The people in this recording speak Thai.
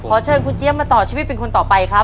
เชิญคุณเจี๊ยบมาต่อชีวิตเป็นคนต่อไปครับ